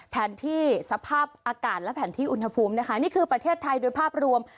แผนที่สภาพอากาศและแผนที่อุณหภูมินะคะนี่คือประเทศไทยโดยภาพรวม